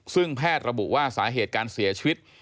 ซึ่งแพทย์ระบุว่าสาเหตุการเสียชีวิต